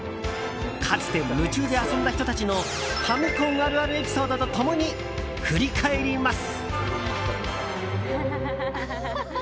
かつて夢中で遊んだ人たちのファミコンあるあるエピソードと共に振り返ります。